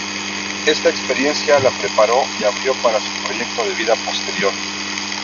Esta experiencia la preparó y abrió para su proyecto de vida posterior.